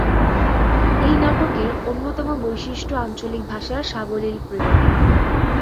এই নাটকের অন্যতম বৈশিষ্ট্য আঞ্চলিক ভাষার সাবলীল প্রয়োগ।